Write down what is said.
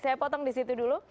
saya potong di situ dulu